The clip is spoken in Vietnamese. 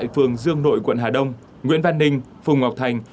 phường dương nội quận hà đông nguyễn văn ninh phùng ngọc thành